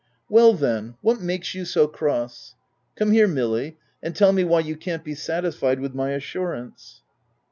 "Well then, what makes you so cross? Come here Milly, and tell me why you can't be satisfied with my assurance.''